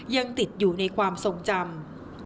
ยังติดอยู่ในความทรงจำ